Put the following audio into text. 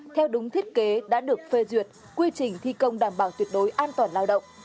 theo đúng thiết kế đã được phê duyệt quy trình thi công đảm bảo tuyệt đối an toàn lao động